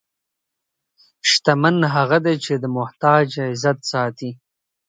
شتمن هغه دی چې د محتاج عزت ساتي.